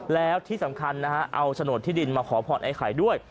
แล้วที่สำคัญนะฮะเอาโฉนดที่ดินมาขอพรไอ้ไข่ด้วย